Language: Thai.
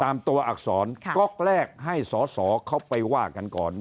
ตัวอักษรก๊อกแรกให้สอสอเขาไปว่ากันก่อน